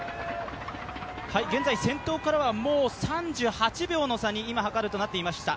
現在先頭からはもう３８秒の差に、今計るとなっていました。